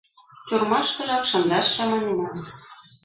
Тюрьмашкыжак шындаш чаманенам.